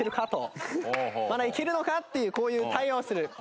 「まだいけるのか？」っていうこういう対話をする。